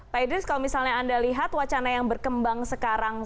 pak idris kalau misalnya anda lihat wacana yang berkembang sekarang